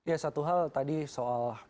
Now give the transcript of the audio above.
ya satu hal tadi soal